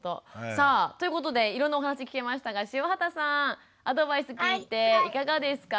さあということでいろんなお話聞けましたが塩畑さんアドバイス聞いていかがですか？